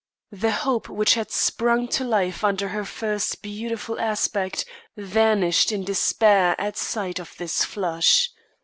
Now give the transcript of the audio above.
The hope which had sprung to life under her first beautiful aspect, vanished in despair at sight of this flush.